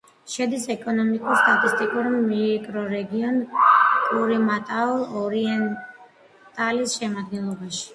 შედის ეკონომიკურ-სტატისტიკურ მიკრორეგიონ კურიმატაუ-ორიენტალის შემადგენლობაში.